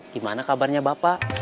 gimana kabarnya bapak